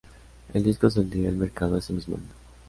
El disco saldría al mercado ese mismo año.